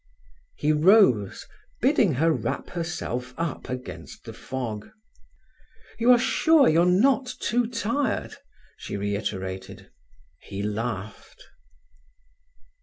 He rose, bidding her wrap herself up against the fog. "You are sure you're not too tired?" she reiterated. He laughed.